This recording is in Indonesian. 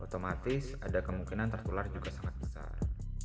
dan otomatis ada kemungkinan terkeluar juga sangat besar